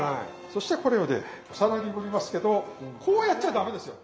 そしたらこれをねお皿に盛りますけどこうやっちゃ駄目ですよ。